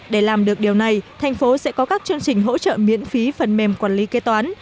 để làm được điều này thành phố sẽ có các chương trình hỗ trợ miễn phí phần mềm quản lý kế toán